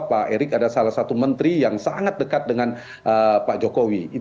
pak erik ada salah satu menteri yang sangat dekat dengan pak jokowi